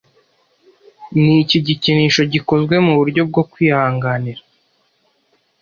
Niki gikinisho gikozwe muburyo bwo kwihanganira